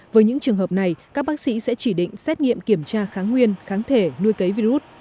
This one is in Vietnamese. với những trường hợp này các bác sĩ sẽ chỉ định xét nghiệm kiểm tra kháng nguyên kháng thể nuôi cấy virus